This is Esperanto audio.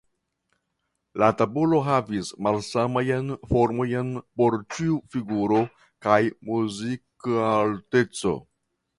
La tabulo havis malsamajn formojn por ĉiu figuro kaj muzikalteco.